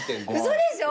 嘘でしょ？